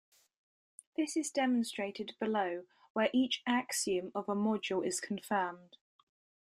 This is demonstrated below, where each axiom of a module is confirmed.